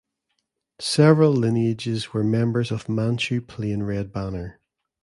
Several lineages were members of Manchu Plain Red Banner.